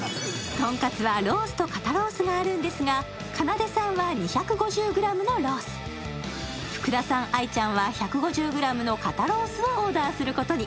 豚カツはロースと肩ロースがあるんですが、かなでさんは２５０ｇのロース、福田さん、愛ちゃんは１５０ｇの肩ロースをオーダーすることに。